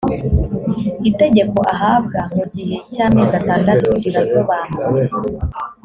itegeko ahabwa mu gihe cy amezi atandatu rirasobanutse